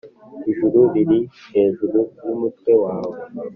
Ijuru riri hejuru y’umutwe wawe